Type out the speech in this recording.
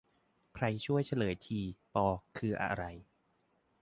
ใครช่วยเฉลยที ป คืออะไร